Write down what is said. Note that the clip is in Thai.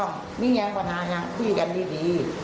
นี่ยังกว่านานยังคุยกันดี